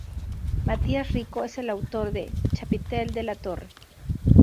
Matías Rico, es el autor del chapitel de la torre.